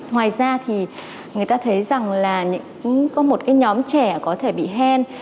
ngoài ra thì người ta thấy rằng là có một nhóm trẻ có thể bị hen